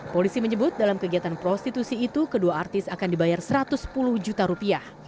polisi menyebut dalam kegiatan prostitusi itu kedua artis akan dibayar satu ratus sepuluh juta rupiah